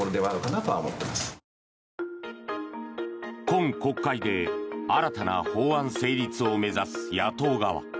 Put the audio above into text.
今国会で新たな法案成立を目指す野党側。